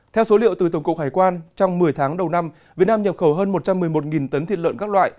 theo số liệu từ tổng cục hải quan trong một mươi tháng đầu năm việt nam nhập khẩu hơn một trăm một mươi một tấn thịt lợn các loại